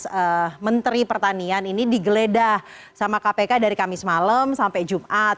kasus menteri pertanian ini digeledah sama kpk dari kamis malam sampai jumat